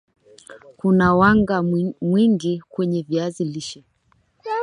kuna wanga mwingi kwenye viazi lishe